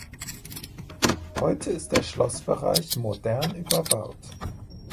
Heute ist der Schlossbereich modern überbaut.